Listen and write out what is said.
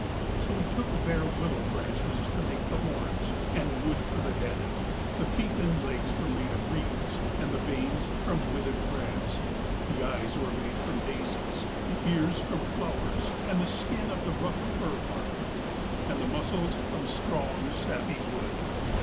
So he took bare willow branches to make the horns, and wood for the head, the feet and legs were made of reeds, and the veins from withered grass, the eyes were made from daisies, the ears from flowers, and the skin of the rough fir bark, and the muscles from strong, sappy wood.